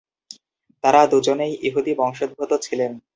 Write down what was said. তারা দুজনেই ইহুদি বংশোদ্ভূত ছিলেন।